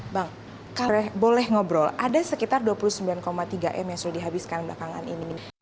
bang boleh ngobrol ada sekitar dua puluh sembilan tiga m yang sudah dihabiskan belakangan ini